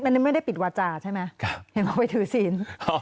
อ๋อมันมันไม่ได้ปิดวาจาใช่ไหมครับเห็นเขาไปถือสีน